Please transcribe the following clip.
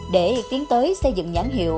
để tiến tới xây dựng nhãn hiệu